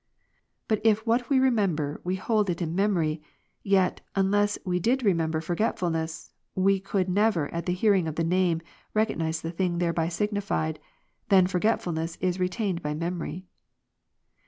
But if what we remember we hold it in memory, yet, unless we did remember forgetfulness, we could never at the hearing of the name, recognize the thing thereby signified, then forgetfulness is retained by memory.